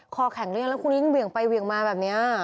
คอแข็งเลี้ยงแล้วคุณยิ่งเหวี่ยงไปเหวี่ยงมาแบบเนี่ย